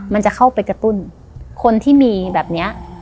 มันจะเข้าไปกระตุ้นคนที่มีแบบนี้